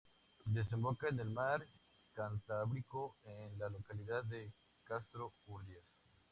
Desemboca en el mar Cantábrico, en la localidad de Castro Urdiales.